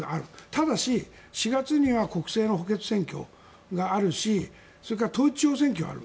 ただし、４月には国政の補欠選挙があるしそれから統一地方選挙がある。